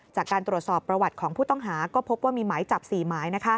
จากการตรวจสอบประวัติของผู้ต้องหาก็พบว่ามีหมายจับ๔หมาย